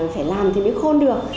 phải làm thì mới khôn được